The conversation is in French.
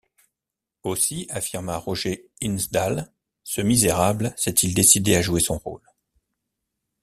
Aussi, affirma Roger Hinsdale, ce misérable s’est-il décidé à jouer son rôle...